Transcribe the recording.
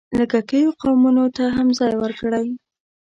لږکیو قومونو ته هم ځای ورکړی.